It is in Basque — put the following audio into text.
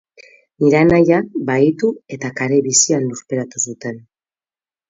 Nire anaia bahitu eta kare bizian lurperatu zuten.